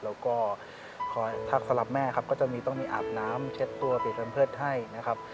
แล้วก็ถ้าสำหรับแม่ครับก็จะต้องมีอาบน้ำเช็ดตัวปิดลำเพิศให้นะครับ